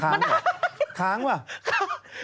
ค้างเหรอค้างเหรอ